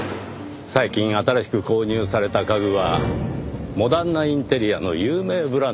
最近新しく購入された家具はモダンなインテリアの有名ブランドです。